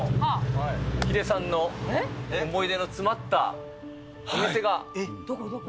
ヒデさんの思い出の詰まったどこどこ？